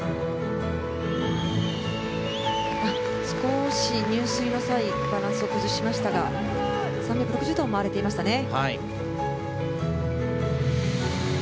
少し入水の際バランスを崩しましたが３６０度は回れていましたね。